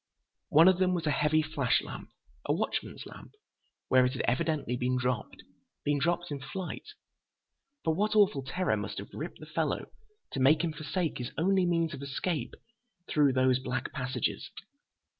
One of them was a heavy flash lamp—a watchman's lamp—where it had evidently been dropped. Been dropped in flight! But what awful terror must have gripped the fellow to make him forsake his only means of escape through those black passages?